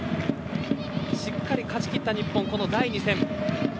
しっかり勝ちきった日本この第２戦。